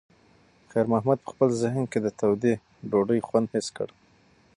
خیر محمد په خپل ذهن کې د تودې ډوډۍ خوند حس کړ.